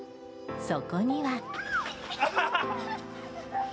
そこには。